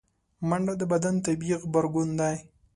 منډه د بدن طبیعي غبرګون دی